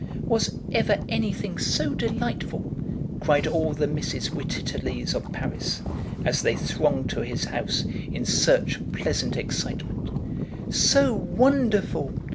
"Was ever any thing so delightful!" cried all the Mrs. Wittitterleys of Paris, as they thronged to his house in search of pleasant excitement; "_So wonderful!